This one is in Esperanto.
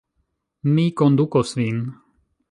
Mi kondukos vin.